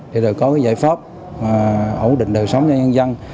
để rồi có cái giải pháp ổn định đời sống cho nhân dân